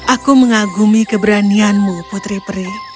aku mengagumi keberanianmu putri pri